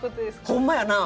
ホンマやな。